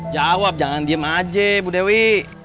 jawab jangan diem aja bu dewi